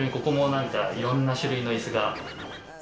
ここも、いろんな種類の椅子が。